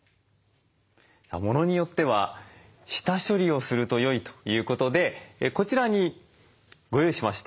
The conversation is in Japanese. ものによっては下処理をするとよいということでこちらにご用意しました。